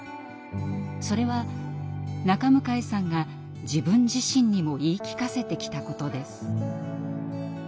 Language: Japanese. それは中迎さんが自分自身にも言い聞かせてきたことです。